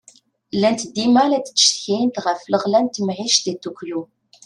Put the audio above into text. Llant dima la d-ttcetkint ɣef leɣla n temεict di Tokyo.